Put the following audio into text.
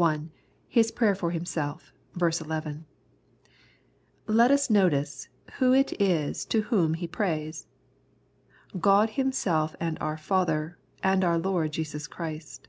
I. His Prayer for Himself (ver. li). Let us notice Who it is to Whom he 'prays —" God Himself and our Father, and our Lord Jesus Christ."